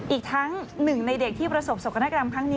อีกทั้งหนึ่งในเด็กที่ประสบศกนากรรมครั้งนี้